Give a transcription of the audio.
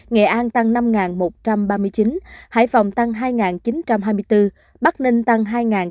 nghệ an tăng năm một trăm ba mươi chín hải phòng tăng hai chín trăm hai mươi bốn bắc ninh tăng hai tám trăm năm mươi tám